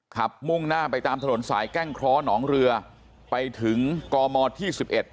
มุ่งหน้าไปตามถนนสายแก้งเคราะห์หนองเรือไปถึงกมที่๑๑